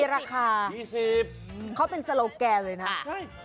รักคร๊ะไม่แพง